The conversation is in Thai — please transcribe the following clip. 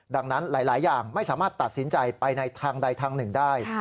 ดังนั้นหลายอย่างไม่สามารถตัดสินใจไปในทางใดทางหนึ่งได้